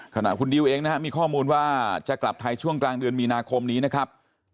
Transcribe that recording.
ขณะคุณดิวเองนะครับมีข้อมูลว่าจะกลับไทยช่วงกลางเดือนมีนาคมนี้นะครับ